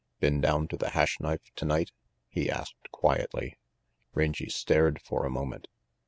"Been down to the Hash Knife tonight?" he asked quietly. Rangy stared for a moment.